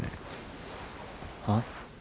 はっ？